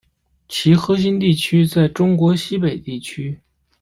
其核心地区在中国西北地区。